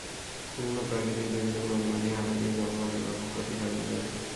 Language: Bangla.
বিভিন্ন প্রাকৃতিক দুর্যোগ মাঝে মাঝেই হানা দিয়ে জানমালের ব্যাপক ক্ষতি সাধন করে।